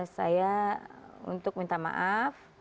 saya untuk minta maaf